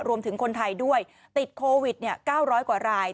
รวมถึงคนไทยด้วยติดโควิดเนี่ยเก้าร้อยกว่าราย